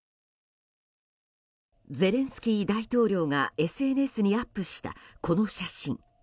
ゼレンスキー大統領がＳＮＳにアップしたこの写真。